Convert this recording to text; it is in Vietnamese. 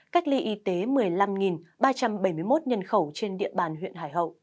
cách ly y tế một mươi năm ba trăm bảy mươi một nhân khẩu trên địa bàn huyện hải hậu